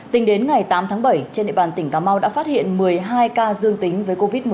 tính đến ngày tám tháng bảy trên địa bàn tỉnh cà mau đã phát hiện một mươi hai ca dương tính với covid một mươi chín